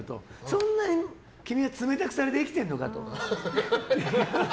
そんな君は冷たくされて生きているのかと。